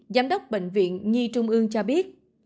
giám đốc bệnh viện nhi trung ương cho biết